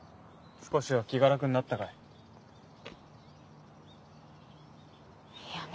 少しは気が楽になったかい？